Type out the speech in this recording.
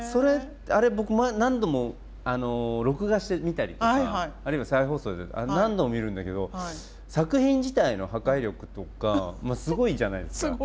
あれ僕何度も録画して見たりとかあるいは再放送で何度も見るんだけど作品自体の破壊力とかすごいじゃないですか。